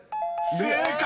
［正解！］